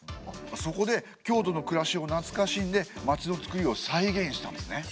そこで京都の暮らしをなつかしんで町のつくりを再現したんですね。